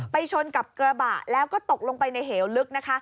ไปชนกับกระบะแล้วก็ตกลงไปในเหลวลึก